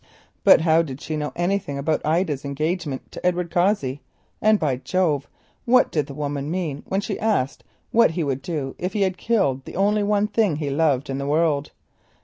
But how did she know anything about Ida's engagement to Edward Cossey? And, by Jove! what did the woman mean when she asked what he would do if he had killed the only thing he loved in the world?